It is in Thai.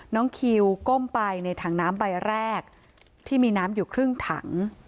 น้องคิวก้มไปในถังน้ำใบแรกที่มีน้ำอยู่ครึ่งถัง